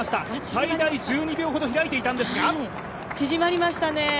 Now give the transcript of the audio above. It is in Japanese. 最大１２秒ほど開いていたんですが縮まりましたね。